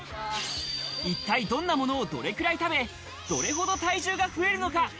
一体どんなものをどれくらい食べ、どれほど体重が増えるのか。